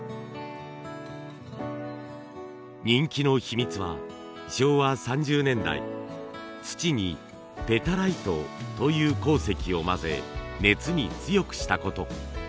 人気の秘密は昭和３０年代土にペタライトという鉱石を混ぜ熱に強くしたこと。